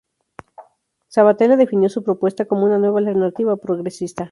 Sabbatella definió su propuesta como una nueva alternativa progresista.